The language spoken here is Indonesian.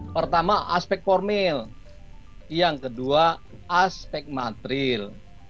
pertama aspek formil yang kedua aspek materil